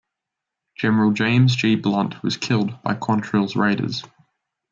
General James G. Blunt, was killed by Quantrill's Raiders.